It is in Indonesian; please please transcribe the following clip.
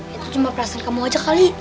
itu cuma perasaan kamu aja kali